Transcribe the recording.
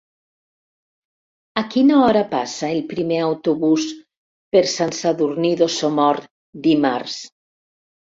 A quina hora passa el primer autobús per Sant Sadurní d'Osormort dimarts?